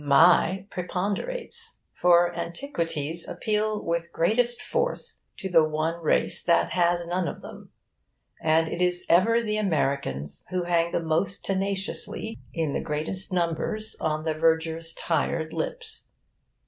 'My!' preponderates; for antiquities appeal with greatest force to the one race that has none of them; and it is ever the Americans who hang the most tenaciously, in the greatest numbers, on the vergers' tired lips.